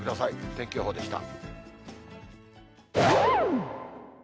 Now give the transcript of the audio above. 天気予報でした。